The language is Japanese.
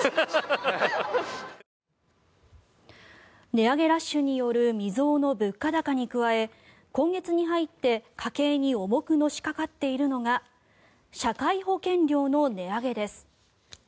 値上げラッシュによる未曽有の物価高に加え今月に入って家計に重くのしかかっているのが社会保険料の値上げです。